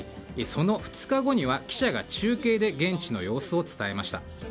その２日後には記者が中継で現地の様子を伝えました。